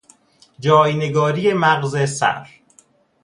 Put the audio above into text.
جاینگاری مغز سر